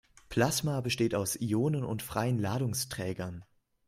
Plasma besteht aus Ionen und freien Ladungsträgern.